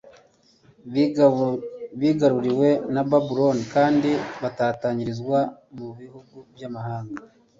Bigaruriwe na Babuloni kandi batatanirizwa mu bihugu by'amahanga.